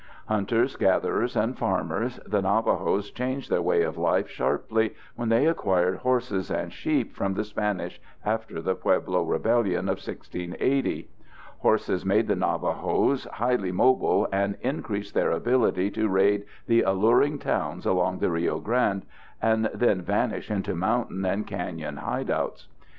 Hunters, gatherers, and farmers, the Navajos changed their way of life sharply when they acquired horses and sheep from the Spanish after the Pueblo Rebellion of 1680. Horses made the Navajos highly mobile and increased their ability to raid the alluring towns along the Rio Grande and then vanish into mountain and canyon hideouts.